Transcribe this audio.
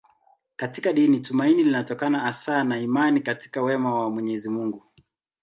Katika dini tumaini linatokana hasa na imani katika wema wa Mwenyezi Mungu.